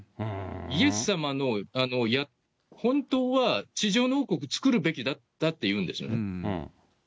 イエス様の、本当は地上の王国つくるべきだというんですね。